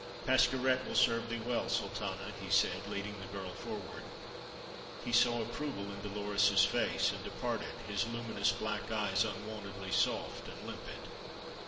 "Pascherette will serve thee well, Sultana," he said, leading the girl forward. He saw approval in Dolores's face and departed, his luminous black eyes unwontedly soft and limpid.